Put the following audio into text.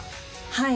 はい。